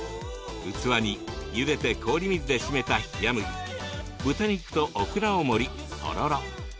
器にゆでて氷水で締めた冷や麦豚肉とオクラを盛り、とろろ。